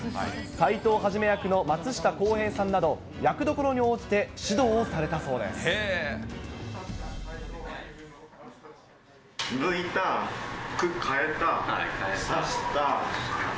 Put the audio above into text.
斎藤一役の松下洸平さんなど、役どころに応じて指導をされたそ抜いた、変えた。